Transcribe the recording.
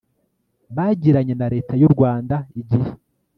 bagiranye na Leta y u Rwanda igihe